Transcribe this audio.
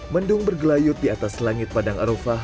mendung bergelayut di atas langit padang arofah